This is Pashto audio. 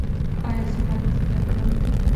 ایا زه باید زده کړم؟